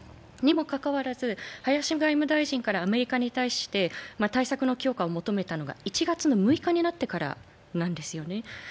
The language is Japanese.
にもかかわらず林外務大臣からアメリカに対して対策の強化を求めたのが１月６日になってからなんですよね。